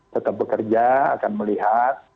tetap bekerja akan melihat